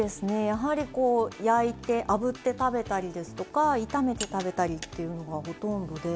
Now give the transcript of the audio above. やはりこう焼いてあぶって食べたりですとか炒めて食べたりっていうのがほとんどで。